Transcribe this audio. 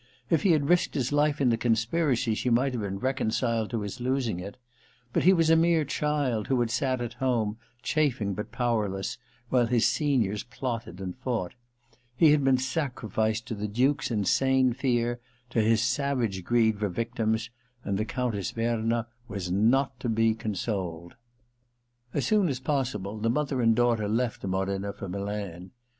If he had risked his life in the conspiracy, she might have been reconciled to his losing it. But he was a mere child, who had sat at home, chafing but powerless, while his seniors plotted and fought. He had been sacrificed to the Duke's insane fear, to his savage greed for victims, and the Coimtess Verna was not to be consoled. As soon as possible, the mother and daughter left Modena for Milan.